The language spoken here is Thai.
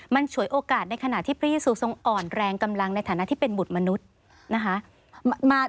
มันฉวยโอกาสในขณะที่พระยี่ซูทรงอ่อนแรงกำลังในฐานะที่เป็นบุตรมนุษย์นะคะ